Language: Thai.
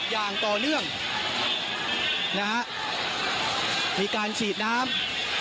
อย่างต่อเนื่องนะฮะมีการฉีดน้ำ